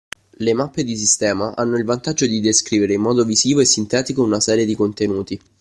Le mappe di sistema hanno il vantaggio di descrivere in modo visivo e sintetico una serie di contenuti